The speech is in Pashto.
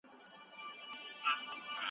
که فرضیه سمه ثابته سي، څېړنه به بریالۍ وي.